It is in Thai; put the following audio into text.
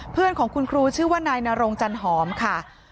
เพื่อนของคุณครูชื่อว่านายนรงจันหอมค่ะ